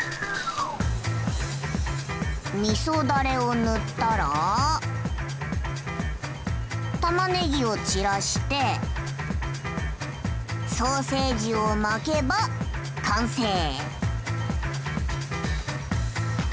みそダレを塗ったら玉ねぎを散らしてソーセージを巻けば完成。